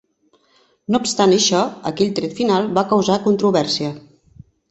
No obstant això, aquell tret final va causar controvèrsia.